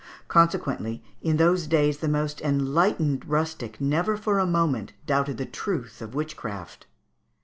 Consequently, in those days the most enlightened rustic never for a moment doubted the truth of witchcraft.